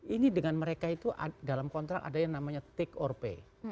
ini dengan mereka itu dalam kontrak ada yang namanya take or pay